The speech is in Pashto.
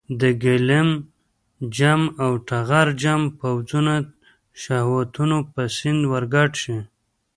د ګیلم جم او ټغر جم پوځونه شهوتونو په سیند ورګډ شي.